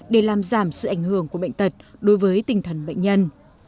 để làm giảm sự ảnh hưởng của bệnh tật đối với tinh thần bệnh nhân